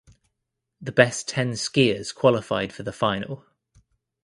The best ten skiers qualified for the final.